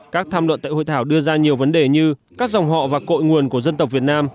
các tham luận tại hội thảo đưa ra nhiều vấn đề như các dòng họ và cội nguồn của dân tộc việt nam